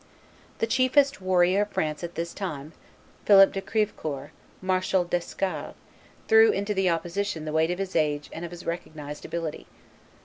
The chiefest warrior of France at this time, Philip de Crevecoeur, Marshal d'Esquerdes, threw into the opposition the weight of his age and of his recognized ability.